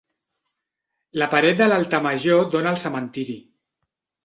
La paret de l'altar major dóna al cementiri.